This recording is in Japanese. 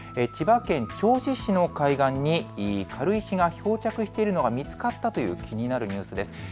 千葉県銚子市の海岸に軽石が漂着しているのが見つかったという気になるニュースです。